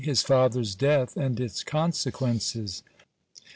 His father 's death, and its consequences.